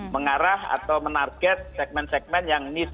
mengarah atau menarget segmen segmen yang miss